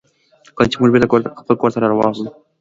کله چې موږ بېرته خپل کور ته راغلو.